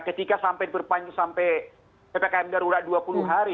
ketika sampai ppkm darurat dua puluh hari